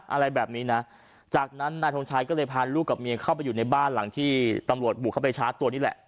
อะไรแบบนี้นะจากนั้นนายทงชัยก็เลยพาลูกกับเมียเข้าไปอยู่ในบ้านหลังที่ตำรวจบุกเข้าไปชาร์จตัวนี่แหละ